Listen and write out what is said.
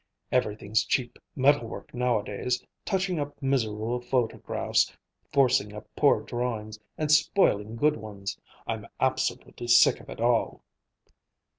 Everything's cheap metal work nowadays, touching up miserable photographs, forcing up poor drawings, and spoiling good ones. I'm absolutely sick of it all."